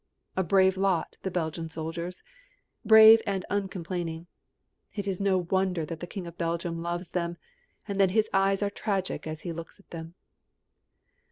A brave lot, the Belgian soldiers, brave and uncomplaining! It is no wonder that the King of Belgium loves them, and that his eyes are tragic as he looks at them.